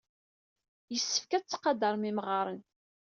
Yessefk ad tettqadarem imɣaren.